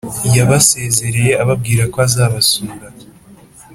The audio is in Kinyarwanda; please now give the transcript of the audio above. yabasezereye ababwira ko azabasura